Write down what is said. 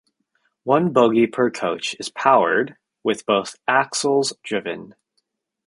One bogie per coach is powered, with both axles driven.